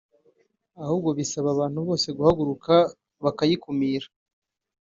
ahubwo bisaba abantu bose guhaguruka bakayikumira